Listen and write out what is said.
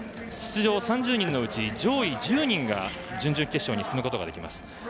出場３０人のうち上位１０人が準々決勝に進むことができます。